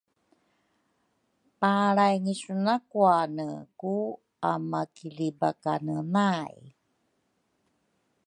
palraingisu nakuane ku amakilibakanenai.